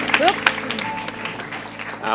ขอต้อนรับคุณตุ่มนะครับ